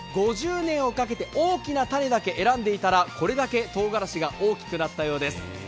５０年をかけて大きな種だけ選んでいたらこれだけ、とうがらしが大きくなったようです。